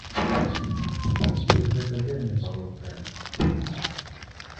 Іх гэта вельмі палохае.